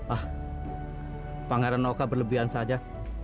ah pangaran oka berlebihan saja